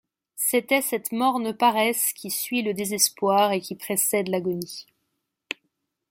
C’était cette morne paresse qui suit le désespoir et qui précède l’agonie.